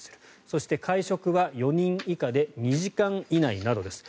そして、会食は４人以下で２時間以内などです。